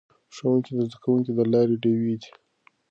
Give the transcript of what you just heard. ښوونکي د زده کوونکو د لارې ډیوې دي.